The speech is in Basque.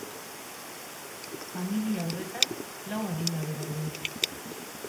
Familia horretan lau adingabe daude.